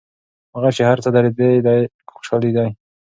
هغه چي هر څه دردېدی دی خوشحالېدی